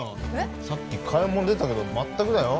さっき買い物出たけど全くだよ